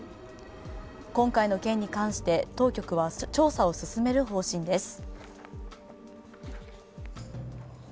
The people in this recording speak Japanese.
今回の件に関して当局は調査を進める方針です。